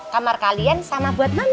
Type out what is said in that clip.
kamar kalian sama buat mana